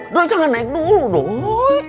doi jangan naik dulu doi